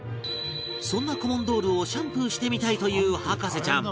そんなコモンドールをシャンプーしてみたいという博士ちゃん